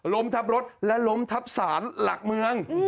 ล้มทับรถและล้มทับศาลหลักเมือง